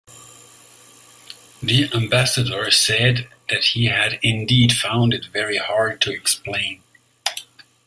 The ambassador said that he had indeed found it very hard to explain.